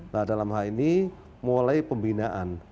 nah dalam hal ini mulai pembinaan